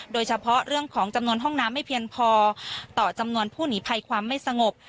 โดยเฉพาะเรื่องของจำนวนห้องน้ำไม่เพียงพอต่อจำนวนผู้หนีภัยความไม่สงบ